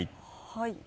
はい。